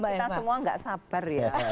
kita semua nggak sabar ya